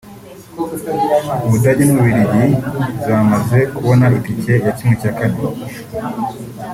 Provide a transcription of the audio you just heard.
u Budage n’u Bubiligi zamaze kubona itike ya ¼